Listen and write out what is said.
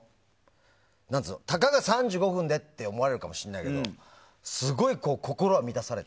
たかが３５分でって思われるかもしれないけどすごい心は満たされた。